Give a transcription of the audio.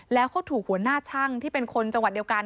แล้วเขาถูกหัวหน้าช่างที่เป็นคนจังหวัดเดียวกัน